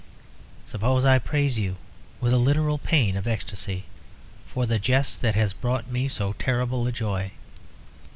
Suppose I praise you, with a literal pain of ecstasy, for the jest that has brought me so terrible a joy.